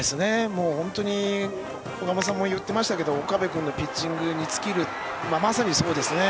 本当に岡本さんも言っていましたけど岡部君のピッチングに尽きるまさにそうですね。